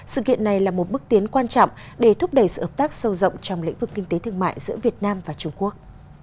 sự kiện này là một bước tiến quan trọng để thúc đẩy sự hợp tác sâu rộng trong lĩnh vực kinh tế thương mại giữa việt nam và trung quốc